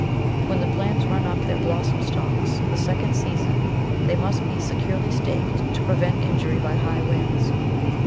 When the plants run up their blossom stalks the second season they must be securely staked to prevent injury by high winds.